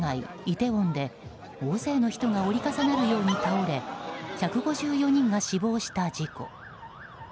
イテウォンで大勢の人が折り重なるように倒れ１５４人が死亡した事故。